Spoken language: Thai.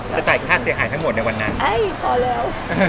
จะจ่ายค่าเสียหายทั้งหมดในวันนั้นเอ้ยพอแล้ว